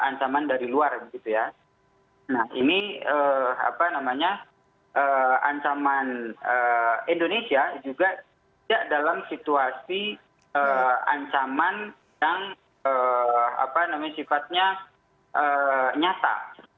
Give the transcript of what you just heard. nah ini apa namanya ancaman indonesia juga tidak dalam situasi ancaman yang apa namanya sifatnya nyata